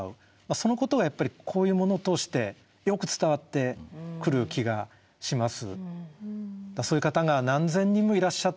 そのことをやっぱりこういうものを通してよく伝わってくる気がします。